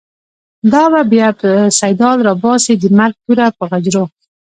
دابه بیا “سیدال” راباسی، دمرګ توره په غجرو